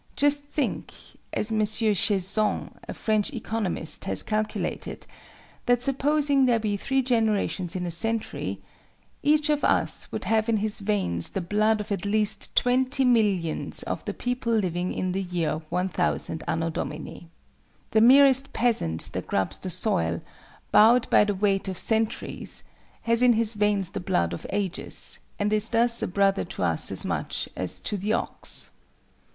Just think, as M. Cheysson, a French economist, has calculated, that supposing there be three generations in a century, "each of us would have in his veins the blood of at least twenty millions of the people living in the year 1000 A.D." The merest peasant that grubs the soil, "bowed by the weight of centuries," has in his veins the blood of ages, and is thus a brother to us as much as "to the ox."